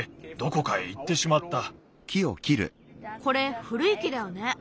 これふるい木だよね。